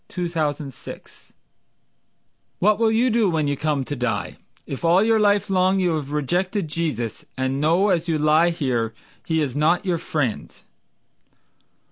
Le Roy Goldman "What will you do when you come to die, If all your life long you have rejected Jesus, And know as you lie there, He is not your friend?"